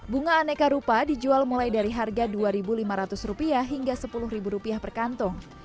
bunga aneka rupa dijual mulai dari harga rp dua lima ratus hingga rp sepuluh per kantong